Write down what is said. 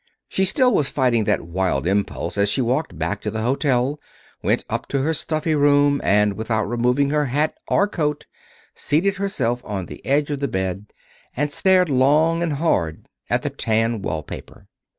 She still was fighting that wild impulse as she walked back to the hotel, went up to her stuffy room, and, without removing hat or coat, seated herself on the edge of the bed and stared long and hard at the tan wall paper.